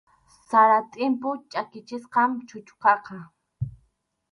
Sara tʼimpu chʼakichisqam chuchuqaqa.